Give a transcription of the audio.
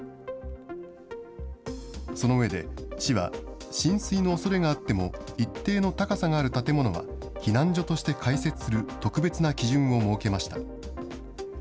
その上で、市は、浸水のおそれがあっても、一定の高さがある建物は、避難所として開設する特別な基準を設けました。